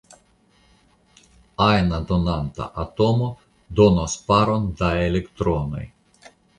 Ajna donanta atomo donos paron da elektronoj.